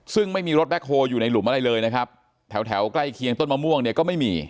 ซึ่งไม่มีรถแบ็คโฮลอยู่ในหลุมอะไรเลยนะครับแถวแถวใกล้เคียงต้นมะม่วงเนี่ยก็ไม่มี